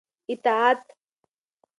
اطاعت